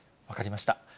分かりました。